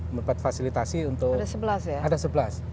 membuat fasilitasi untuk ada sebelas ya ada sebelas